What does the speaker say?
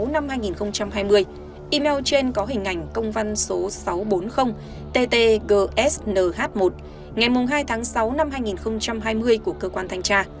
năm hai nghìn hai mươi email trên có hình ảnh công văn số sáu trăm bốn mươi ttgsnh một ngày hai tháng sáu năm hai nghìn hai mươi của cơ quan thanh tra